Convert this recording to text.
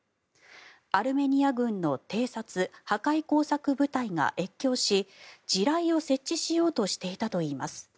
アルメニア軍の偵察・破壊工作部隊が越境し地雷を設置しようとしていたといいます。